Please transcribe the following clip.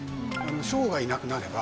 将がいなくなれば。